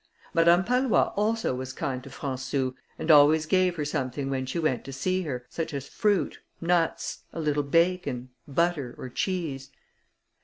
Madame Pallois also was kind to Françou, and always gave her something when she went to see her, such as fruit, nuts, a little bacon, butter, or cheese.